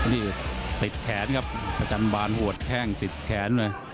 นี่ติดแขนครับประจำบานหัวแข้งติดแขนเลย